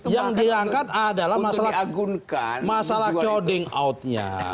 yang diangkat adalah masalah crowding out nya